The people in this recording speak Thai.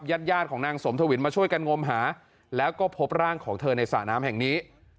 ญาติญาติของนางสมทวินมาช่วยกันงมหาแล้วก็พบร่างของเธอในสระน้ำแห่งนี้